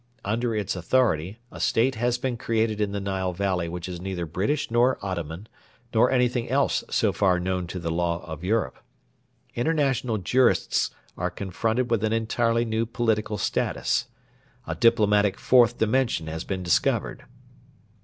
Under its authority a State has been created in the Nile Valley which is neither British nor Ottoman, nor anything else so far known to the law of Europe. International jurists are confronted with an entirely new political status. A diplomatic 'Fourth Dimension' has been discovered.